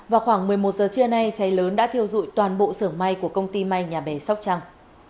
vào khoảng một mươi một giờ trưa nay cháy lớn đã thiêu dụi toàn bộ sưởng may của công ty may nhà bè sóc trăng